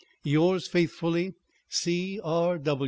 "Yours faithfully, "C.R.